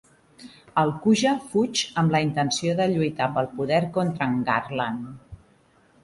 El Kuja fuig amb la intenció de lluitar pel poder contra en Garland.